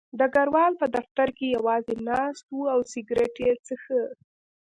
ډګروال په دفتر کې یوازې ناست و او سګرټ یې څښه